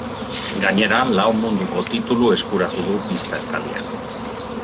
Gainera, lau munduko titulu eskuratu du pista estalian.